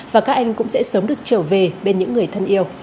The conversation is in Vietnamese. và các anh cũng sẽ sớm được trở về bên những người thân yêu